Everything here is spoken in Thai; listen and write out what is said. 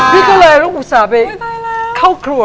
พี่ก็เลยลูกอุดสอบไปเข้าครั้ว